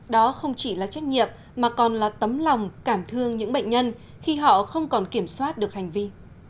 đó không chỉ là trách nhiệm mà còn là tấm lòng cảm thương những bệnh nhân khi họ không còn kiểm soát được hành vi